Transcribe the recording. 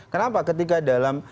kenapa ketika dalam